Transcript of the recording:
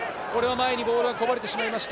前にボールがこぼれてしまいました。